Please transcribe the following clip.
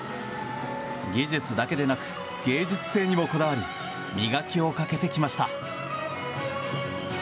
技術だけでなく芸術性にもこだわり磨きをかけてきました。